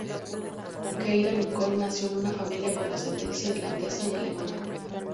Keira Nicole nació en una familia con ascendencia irlandesa y alemana.